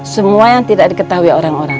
semua yang tidak diketahui orang orang